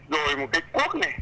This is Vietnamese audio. rồi một cái cuốc này